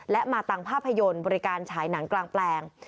และมาตังภาพยนตร์บริการฉายหนังกลางแปลง